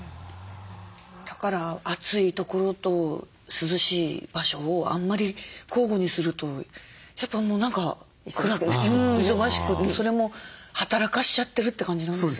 だから暑い所と涼しい場所をあんまり交互にするとやっぱ何か忙しくてそれも働かしちゃってるって感じなんですよね。